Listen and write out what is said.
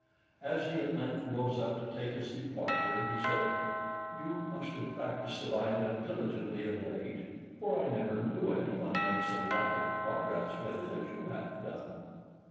As he at length rose up to take his departure, he said, "You must have practised the violin diligently of late, for I never knew anyone make so rapid progress with it as you have done.